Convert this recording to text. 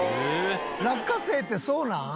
落花生ってそうなん？